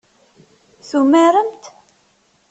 Tumaremt?